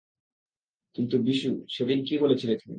কিন্তু, বিশু-- -সেদিন কী বলেছিলে তুমি?